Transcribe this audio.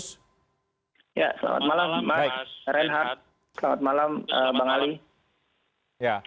selamat malam mas reinhardt selamat malam bang ali